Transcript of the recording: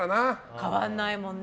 変わんないもんね。